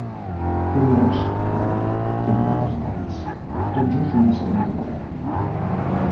"Curiós", va dir, fent petar els llavis, "Tot just me n'assabento ara.